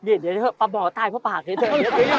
เดี๋ยวเดี๋ยวเถอะปะหมอตายเพราะปากเลยเถอะ